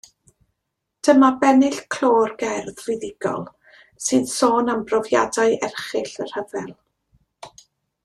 Dyma bennill clo'r gerdd fuddugol sy'n sôn am brofiadau erchyll y rhyfel.